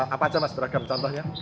apa aja mas beragam contohnya